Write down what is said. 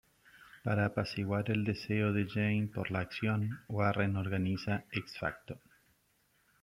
Para apaciguar el deseo de Jean por la acción, Warren organiza X-Factor.